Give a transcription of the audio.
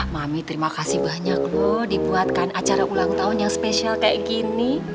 mami terima kasih banyak loh dibuatkan acara ulang tahun yang spesial kayak gini